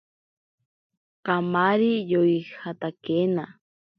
Kamari yoijatakena.